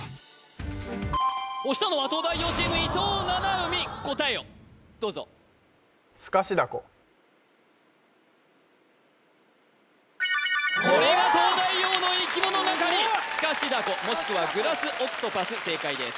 押したのは東大王チーム伊藤七海答えをどうぞこれが東大王のいきものがかりスカシダコもしくはグラス・オクトパス正解です